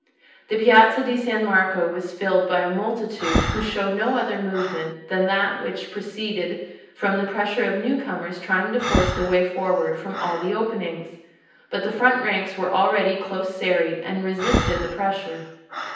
The Piazza di San Marco was filled by a multitude who showed no other movement than that which proceeded from the pressure of new comers trying to force their way forward from all the openings: but the front ranks were already close serried and resisted the pressure.